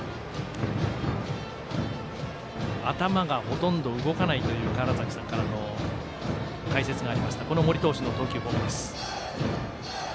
頭がほとんど動かないという川原崎さんからの解説がありました森投手の投球フォーム。